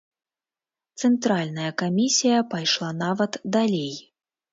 Цэнтральная камісія пайшла нават далей.